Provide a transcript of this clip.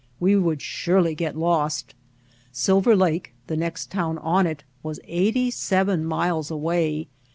We would surely get lost. Silver Lake, the next town on it, was eighty seven miles away.